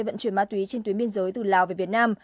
vận chuyển ma túy trên tuyến biên giới từ lào về việt nam